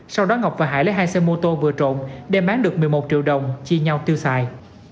sau đó ngọc và hải lấy hai xe mô tô vừa trộm đem bán được một mươi một triệu đồng chia nhau tiêu xài